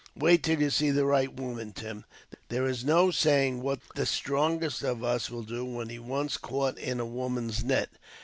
"Wait till you see the right woman, Tim. There is no saying what the strongest of us will do, when he's once caught in a woman's net.